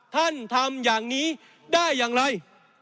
ทำอย่างนี้ได้อย่างไร